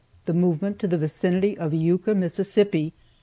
THE MOVEMENT TO THE VICINITY OF IUKA, MISSISSIPPI.